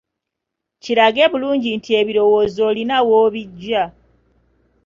Kirage bulungi nti ebirowoozo olina w'obiggya.